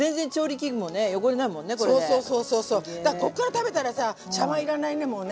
こっから食べたらさ茶わん要らないねもうね。